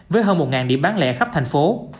với hơn một điểm bán lẹ khắp thành phố